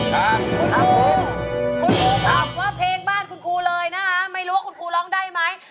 คุณครูคุณครูถามว่าเพลงบ้านคุณครูเลยนะคะไม่รู้ว่าคุณครูร้องได้ไหม